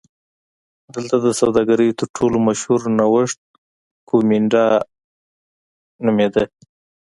دلته د سوداګرۍ تر ټولو مشهور نوښت کومېنډا نومېده